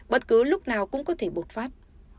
bất cứ lúc nào cũng có thể bột phát